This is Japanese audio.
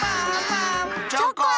チョコン！